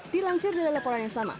dilansir dari laporan yang sama